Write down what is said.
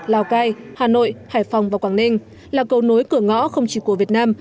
lào cai hà nội hải phòng và quảng ninh là cầu nối cửa ngõ không chỉ của việt nam